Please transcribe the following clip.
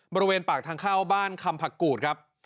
บริเวณปากทางเข้าบ้านคำผักกูดครับ